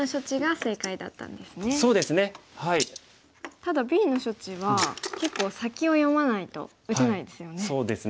ただＢの処置は結構先を読まないと打てないですよね。